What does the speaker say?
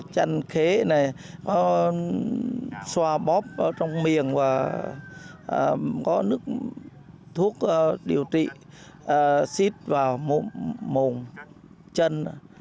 có xòa bóp trong miệng và có nước thuốc điều trị xít vào mồm chân